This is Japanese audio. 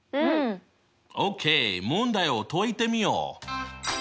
問題を解いてみよう！